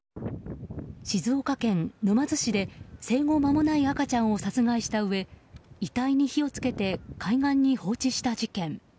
静岡県沼津市で生後まもない赤ちゃんを殺害したうえ遺体に火を付けて海岸に放置した事件。